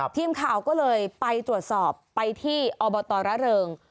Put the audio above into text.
ทีมข่าวก็เลยไปตรวจสอบไปที่อบตรเริง